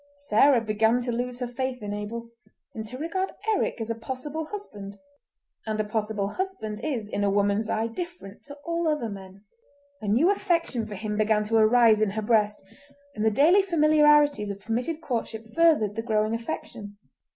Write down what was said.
Sarah began to lose her faith in Abel and to regard Eric as a possible husband; and a possible husband is in a woman's eye different to all other men. A new affection for him began to arise in her breast, and the daily familiarities of permitted courtship furthered the growing affection.